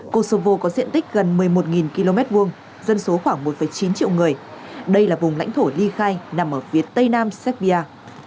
kosovo có diện tích gần một mươi một km hai dân số khoảng một chín triệu người đây là vùng lãnh thổ ly khai nằm ở phía tây nam serbia